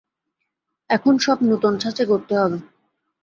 এখন সব নূতন ছাঁচে গড়তে হবে।